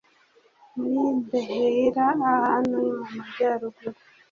muri Beheira aha ni mu Majyaruguru